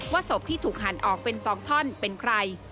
ศพที่ถูกหั่นออกเป็น๒ท่อนเป็นใคร